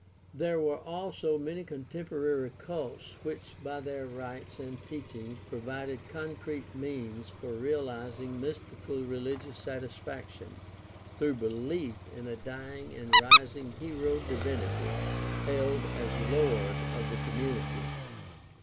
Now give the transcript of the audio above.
There were also many contemporary cults which by their rites and teachings provided concrete means for realizing mystical religious satisfaction through belief in a dying and rising hero divinity hailed as Lord of the community.